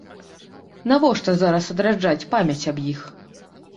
Навошта зараз адраджаць памяць аб іх?